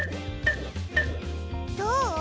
どう？